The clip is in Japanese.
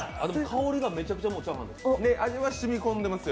香りがめちゃくちゃチャーハンです。